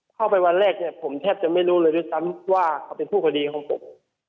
เข้าไปวันแรกเนี่ยผมแทบจะไม่รู้เลยด้วยซ้ำว่าเขาเป็นผู้คดีของผม